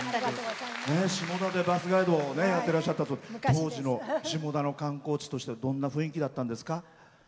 下田でバスガイドをやってらっしゃったそうで当時の下田は観光地としてどんな雰囲気だったんですか？